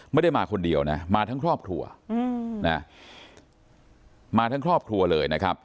ไม่ได้มาคนเดียวนะมาทั้งครอบครัวนะมาทั้งครอบครัวเลยนะครับ